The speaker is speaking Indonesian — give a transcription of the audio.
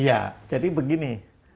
iya jadi begini